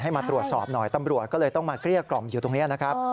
มาตรวจสอบหน่อยตำรวจก็เลยต้องมาเกลี้ยกล่อมอยู่ตรงนี้นะครับ